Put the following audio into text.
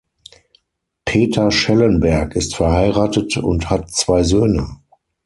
Peter Schellenberg ist verheiratet und hat zwei Söhne.